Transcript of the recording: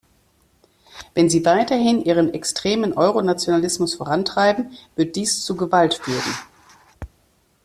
Wenn Sie weiterhin Ihren extremen Euronationalismus vorantreiben, wird dies zu Gewalt führen.